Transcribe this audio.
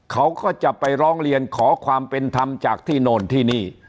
เขาก็จะไปร้องเรียนขอความเป็นธรรมจากที่โน่นที่นี่